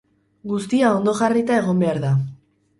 Guztia ondo jarrita egon behar da.